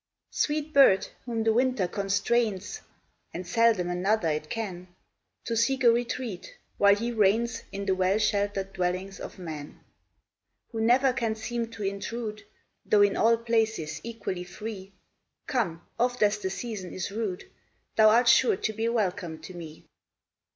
Sweet bird, whom the winter constrains And seldom another it can To seek a retreat while he reigns In the well shelter'd dwellings of man, Who never can seem to intrude, Though in all places equally free, Come, oft as the season is rude, Thou art sure to be welcome to me.